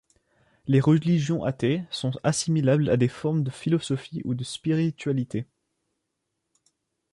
Les religions athées sont assimilables à des formes de philosophies ou de spiritualités.